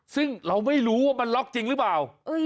ซึ่งเราไม่รู้ว่ามันล็อกจริงหรือเปล่า